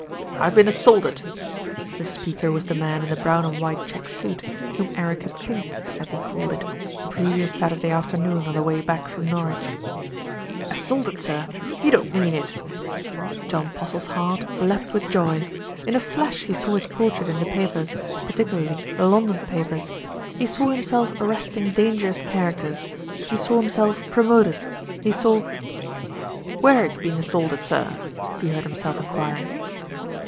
"I have been assaulted!" The speaker was the man in the brown and white check suit whom Eric had "pinked," as he called it, the previous Saturday afternoon on the way back from Norwich. "Assaulted, sir ! You don't mean it." John Postle's heart leapt with joy. In a flash he saw his portrait in the papers, particu larly the London papers. He saw himself arresting dangerous characters, he saw himself promoted. He saw "Where ha' you been assaulted, sir?" he heard him self enquiring.